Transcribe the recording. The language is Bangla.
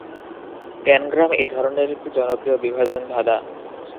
ট্যানগ্রাম এ ধরনের একটি জনপ্রিয় বিভাজন ধাঁধা।